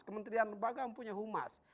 kementerian lembaga mempunyai humas